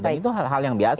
dan itu hal hal yang biasa